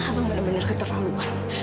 abang benar benar keterlaluan